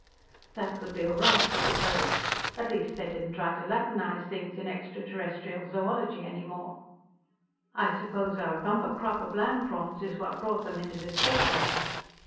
That would be all right, he supposed. At least, they didn't try to Latinize things in extraterrestrial zoology any more. "I suppose our bumper crop of land prawns is what brought them into this section?"